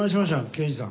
刑事さん。